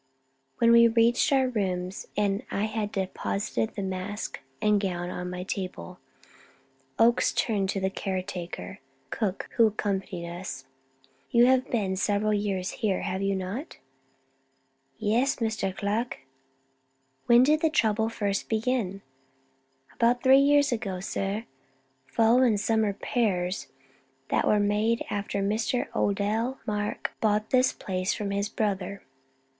When we reached our rooms and I had deposited the mask and gown on my table, Oakes turned to the care taker, Cook, who accompanied us: "You have been several years here, have you not?" "Yes, Mr. Clark." "When did the first trouble begin?" "About three years ago, sir, following some repairs that were made after Mr. Odell Mark bought the place from his brother."